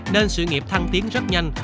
nên sự nghiệp thăng tiến rất nhanh